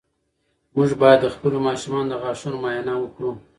موږ باید د خپلو ماشومانو د غاښونو معاینه وکړو.